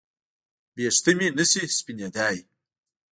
ویښته مې نشي سپینېدای